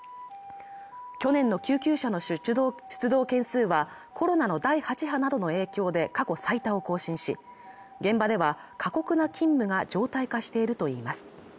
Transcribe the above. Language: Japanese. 去年の救急車の出動件数はコロナの第８波などの影響で過去最多を更新し現場では過酷な勤務が常態化しているといいます